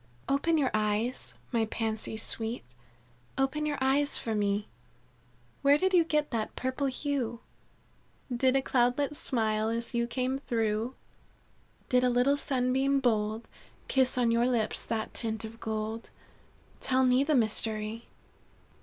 "Open your eyes, my Pansies sweet, Open your eyes for me. Where did you get that purple hue? Did a cloudlet smile as you came through? Did a little sunbeam bold Kiss on your lips that tint of gold? Tell me the mystery.